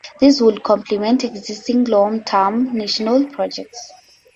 These would complement existing long-term national projects.